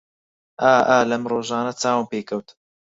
ئا ئا لەم ڕۆژانە چاوم پێی کەت